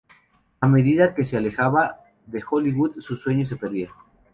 A medida que se alejaba de Hollywood su sueño se perdía.